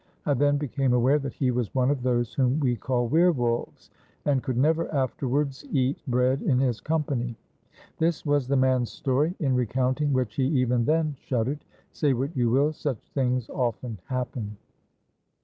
I then became aware that he was one of those whom we call were wolves, and could never afterwards eat bread in his company.' This was the man's story, in recounting which he even then shud dered. Say what you will, such things often happen."